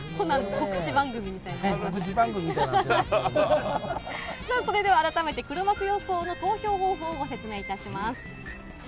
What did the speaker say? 告知番組みたいになってますさあ、それでは改めて、黒幕予想の投票方法をご説明いたします。